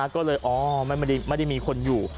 ก็เลยอ๋อไม่ได้มีคนอยู่